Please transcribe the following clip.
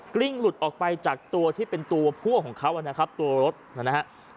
ลิ้งหลุดออกไปจากตัวที่เป็นตัวพั่วของเขานะครับตัวรถนะฮะ